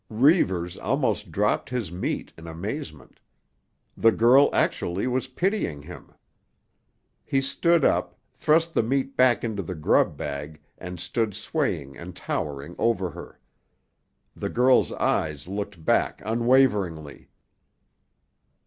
Reivers almost dropped his meat in amazement. The girl actually was pitying him! He stood up, thrust the meat back into the grub bag and stood swaying and towering over her. The girl's eyes looked back unwaveringly.